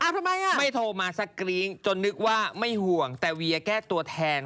พี่โทรมาสกรี๊งจนนึกว่าไม่ห่วงแต่เวียแก้ตัวแทน